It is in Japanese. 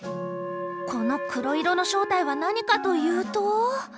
この黒色の正体は何かというと。